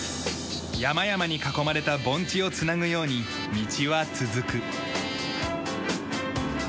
山々に囲まれた盆地を繋ぐように道は続く。